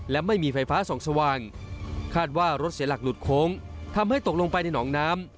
และไม่มีไฟฟ้าส่องสว่างคาดว่ารถเสียหลักหลุดโค้งทำให้ตกลงไปในหนองน้ำ